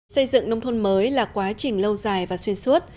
xây dựng nông thôn mới là quá trình lâu dài và xuyên suốt